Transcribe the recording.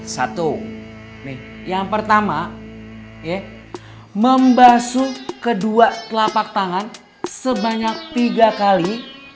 satu nih yang pertama membasu kedua telapak tangan sebanyak tiga kali